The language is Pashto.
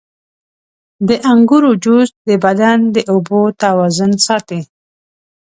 • د انګورو جوس د بدن د اوبو توازن ساتي.